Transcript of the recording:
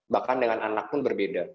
bahkan dengan anak pun berbeda